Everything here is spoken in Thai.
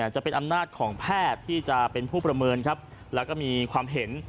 จะเป็นอำนาจของแพทย์ที่จะเป็นผู้ประเมินครับแล้วก็มีความเห็น